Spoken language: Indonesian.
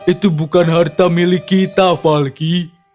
itu bukan harta milik kita falky